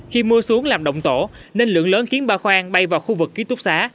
khi mưa xuống làm động tổ nên lượng lớn kiến ba khoan bay vào khu vực ký túc xá